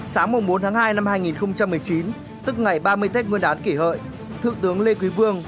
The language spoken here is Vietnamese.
sáng bốn tháng hai năm hai nghìn một mươi chín tức ngày ba mươi tết nguyên đán kỷ hợi thượng tướng lê quý vương